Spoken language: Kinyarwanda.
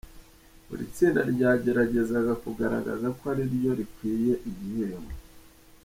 Buri tsinda ryageragezaga kugaragaza ko ari ryo rikwiye igihembo.